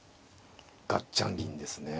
ガッチャン銀ですね。